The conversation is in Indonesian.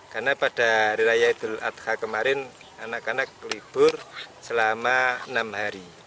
karena pada hari raya idul adha kemarin anak anak libur selama enam hari